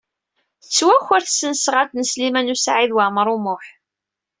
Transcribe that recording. Tettwaker tesnasɣalt n Sliman U Saɛid Waɛmaṛ U Muḥ.